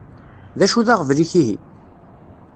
D acu d aɣbel-ik ihi?